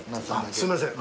すいません。